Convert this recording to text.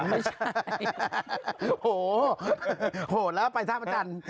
โถ่ละปลายทั้งประจันทร์